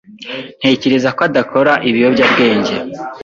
Ntekereza ko adakora ibiyobyabwenge.